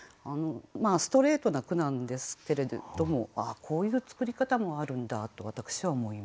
ストレートな句なんですけれどもああこういう作り方もあるんだと私は思いました。